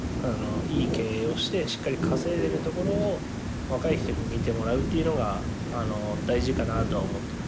いい経営をしてしっかり稼いでいるところを若い人に見てもらうっていうのが大事かなとは思ってますね。